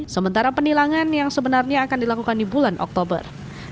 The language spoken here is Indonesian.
sementara penilangan yang sebenarnya akan dilakukan di bulan oktober